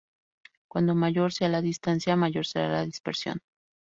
Cuando mayor sea la distancia, mayor será la dispersión.